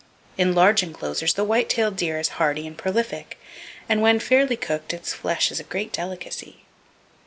In large enclosures, the white tailed deer is hardy and prolific, and when fairly cooked its flesh is a great delicacy.